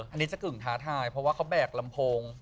อันนี้จะกึ่งท้าทายเพราะว่าเขาแบกลำโพง